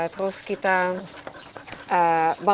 terus kita berubah